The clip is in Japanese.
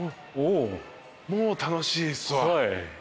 もう楽しいっすわ。